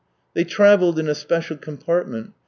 They travelled in a special compartment.